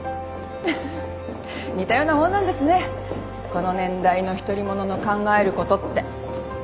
この年代の独り者の考えることって。